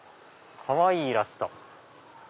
かわいいイラスト。